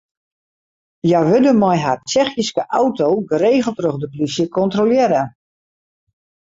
Hja wurde mei har Tsjechyske auto geregeld troch de plysje kontrolearre.